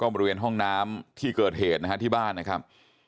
บริเวณห้องน้ำที่เกิดเหตุนะฮะที่บ้านนะครับ